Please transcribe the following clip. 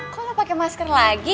kok lo pake masker lagi